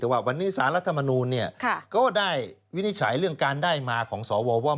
แต่ว่าวันนี้สารรัฐมนูลเนี่ยก็ได้วินิจฉัยเรื่องการได้มาของสวว่า